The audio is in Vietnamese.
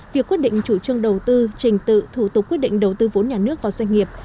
việc quyết định chủ trương đầu tư trình tự thủ tục quyết định đầu tư vốn nhà nước vào doanh nghiệp